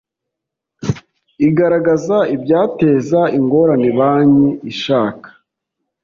Igaragaza ibyateza ingorane banki ishaka